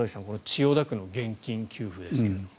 千代田区の現金給付ですけど。